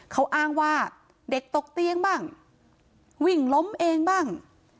เขาอ้างว่าเด็กตกเตียงบ้างวิ่งล้มเองบ้าง